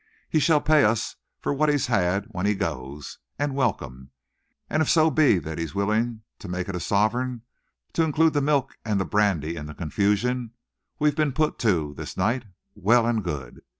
"He shall pay us for what he's had when he goes, and welcome, and if so be that he's willing to make it a sovereign, to include the milk and the brandy and the confusion we've been put to this night, well and good.